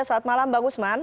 selamat malam bang usman